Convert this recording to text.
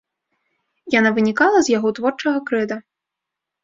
Яна вынікала з яго творчага крэда.